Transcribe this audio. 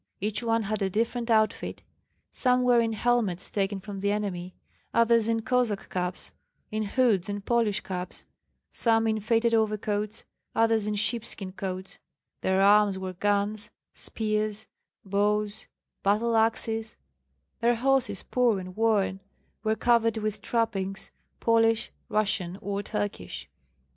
Each one had a different outfit: some were in helmets taken from the enemy; others in Cossack caps, in hoods and Polish caps; some in faded overcoats, others in sheep skin coats; their arms were guns, spears, bows, battle axes; their horses, poor and worn, were covered with trappings, Polish, Russian, or Turkish.